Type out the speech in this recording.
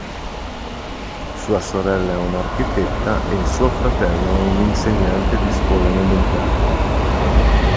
Sua sorella è un'architetta e suo fratello è un insegnante di scuola elementare.